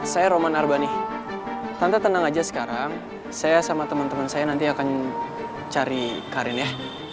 saya roman arbani tante tenang aja sekarang saya sama teman teman saya nanti akan cari karin ya